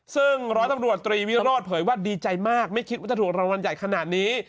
ซึ่งร้อยตำรวจตรีวิโรธเผยว่าดีใจมากไม่คิดว่าจะถูกรางวัลใหญ่ขนาดนี้